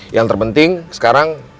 yang terpenting sekarang